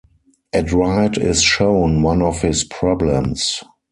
At right is shown one of his problems.